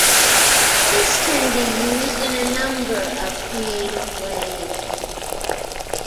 This can be used in a number of creative ways.